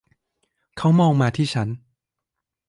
เขามองมาที่ฉัน.